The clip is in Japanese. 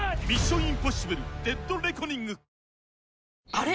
あれ？